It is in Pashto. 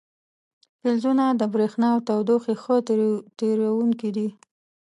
فلزونه د برېښنا او تودوخې ښه تیروونکي دي.